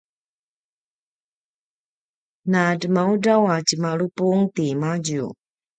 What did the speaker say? na dremaudraw a tjemalupung timadju